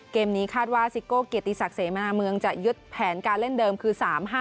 เกมนี้คาดว่าซิโก้เกียรติศักดิ์เสมนาเมืองจะยึดแผนการเล่นเดิมคือ๓๕